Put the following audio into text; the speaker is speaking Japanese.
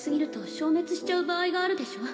消滅しちゃう場合があるでしょ